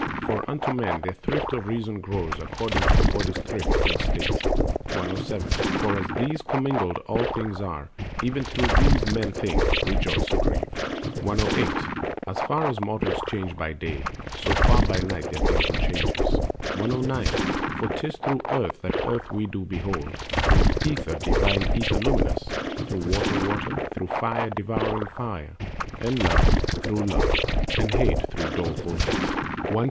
For unto men their thrift of reason grows, According to the body's thrift and state. 107. For as of these commingled all things are, Even so through these men think, rejoice, or grieve. 108. As far as mortals change by day, so far By night their thinking changes... 109. For 'tis through Earth that Earth we do behold, Through Ether, divine Ether luminous, Through Water, Water, through Fire, devouring Fire, And Love through Love, and Hate through doleful Hate. 110.